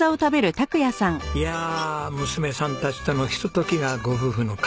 いや娘さんたちとのひとときがご夫婦の活力源です。